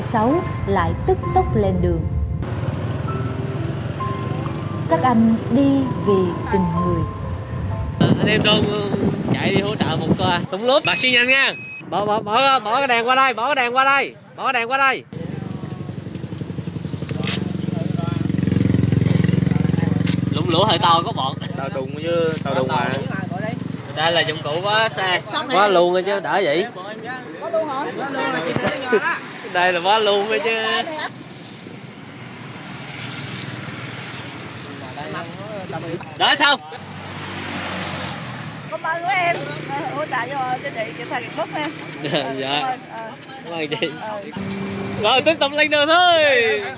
rồi tiếp tục lên nơi thôi